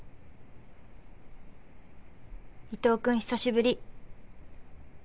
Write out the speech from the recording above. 伊藤君久しぶり。